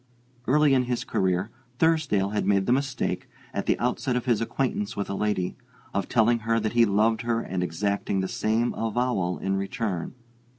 Early in his career Thursdale had made the mistake, at the outset of his acquaintance with a lady, of telling her that he loved her and exacting the same avowal in return.